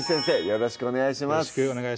よろしくお願いします